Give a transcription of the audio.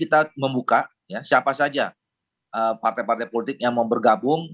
kita membuka siapa saja partai partai politik yang mau bergabung